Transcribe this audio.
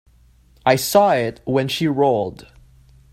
I saw it when she rolled.